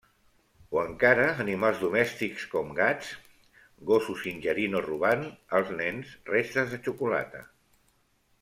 O encara animals domèstics com gats, gossos ingerint o robant als nens restes de xocolata.